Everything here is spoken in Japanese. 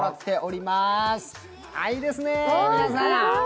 いいですね、皆さん。